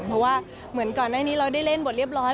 เพราะว่าเหมือนก่อนหน้านี้เราได้เล่นบทเรียบร้อย